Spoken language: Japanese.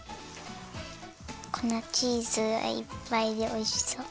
粉チーズがいっぱいでおいしそう。